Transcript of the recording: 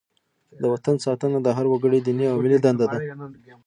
د وطن ساتنه د هر وګړي دیني او ملي دنده ده.